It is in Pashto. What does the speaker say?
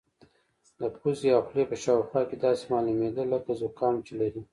د پوزې او خولې په شاوخوا کې داسې معلومېده لکه زکام چې لري.